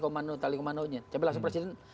komando tali komandonya tapi langsung presiden